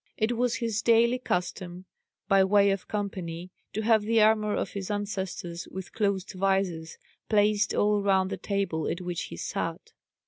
It was his daily custom, by way of company, to have the armour of his ancestors, with closed visors, placed all round the table at which he sat.